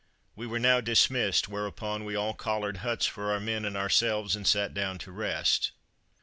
We were now dismissed, whereupon we all collared huts for our men and ourselves, and sat down to rest.